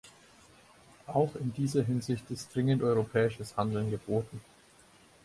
Auch in dieser Hinsicht ist dringend europäisches Handeln geboten.